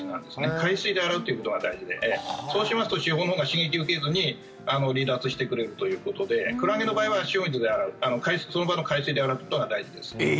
海水で洗うっていうことが大事でそうしますと刺胞のほうが刺激を受けずに離脱してくれるということでクラゲの場合は塩水で洗うその場の海水で洗うことが大事です。